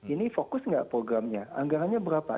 ini fokus nggak programnya anggarannya berapa